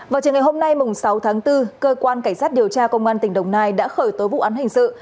vào chiều ngày hôm nay sáu tháng bốn cơ quan cảnh sát điều tra công an tỉnh đồng nai đã khởi tố vụ án hình sự